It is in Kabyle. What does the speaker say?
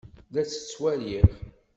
La tt-ttwaliɣ.